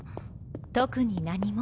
特に何も。